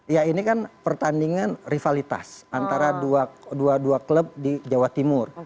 ya ini kan pertandingan rivalitas antara dua dua klub di jawa timur